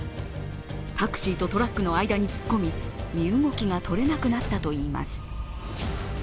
タクシーとトラックの間に突っ込み、身動きが取れなくなったといいます。